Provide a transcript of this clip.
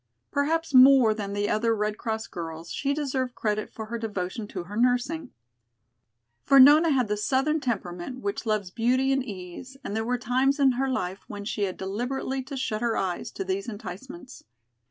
Perhaps more than the other Red Cross girls she deserved credit for her devotion to her nursing. For Nona had the southern temperament which loves beauty and ease, and there were times in her life when she had deliberately to shut her eyes to these enticements.